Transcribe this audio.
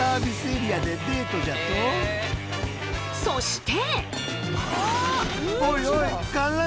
そして！